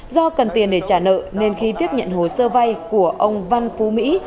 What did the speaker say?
do cần tiền để trả nợ nên khi tiếp nhận hồ sơ vay của ông văn phú mỹ